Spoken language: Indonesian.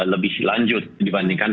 lebih lanjut dibandingkan